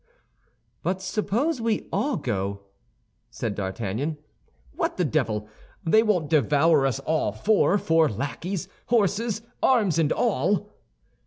"But suppose we all go," said D'Artagnan; "what the devil! They won't devour us all four, four lackeys, horses, arms, and all!"